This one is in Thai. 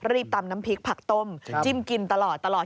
ตำน้ำพริกผักต้มจิ้มกินตลอด